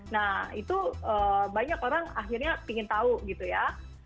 nah itu banyak orang akhirnya ingin tahu gitu ya